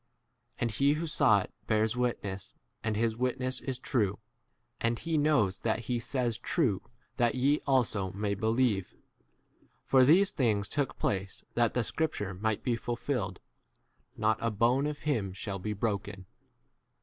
35 And he who saw it bears h witness, and his witness is true, and he 1 knows that he says true that ye * 36 alsoJ may believe. For these things took place that the scrip ture might be fulfilled, Not a & bone of him shall be broken.